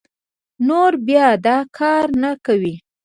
نور بيا دا کار نه کوي